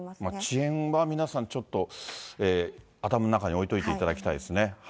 遅延は皆さん、ちょっと頭の中に置いといていただきたいですね。